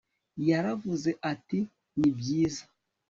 yaravuze ati ni byiza